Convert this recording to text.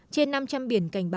trên năm trăm linh biển cảnh báo